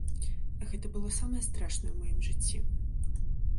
Гэта было самае страшнае ў маім жыцці.